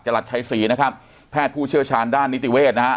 รัชชัยศรีนะครับแพทย์ผู้เชี่ยวชาญด้านนิติเวศนะฮะ